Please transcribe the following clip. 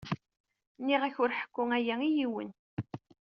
Nniɣ-ak ur ḥekku aya i yiwen.